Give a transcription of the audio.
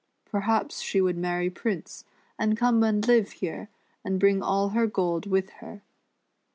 Perhaps she would marry Prince, and come and live here, and bring all her gold with her."